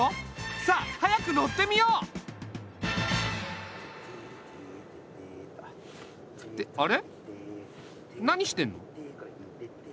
さあ早く乗ってみよう！ってあれ何してんの？